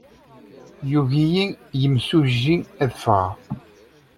Yugi-iyi yimsujji ad ffɣeɣ.